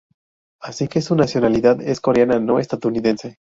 Así que su nacionalidad es coreana, no estadounidense.